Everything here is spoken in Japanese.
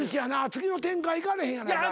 次の展開いかれへんやないかい。